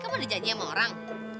kamu ada janji sama orang